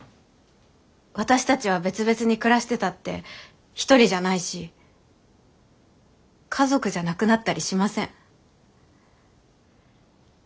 私たちは別々に暮らしてたって一人じゃないし家族じゃなくなったりしません。